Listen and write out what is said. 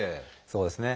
そうですね。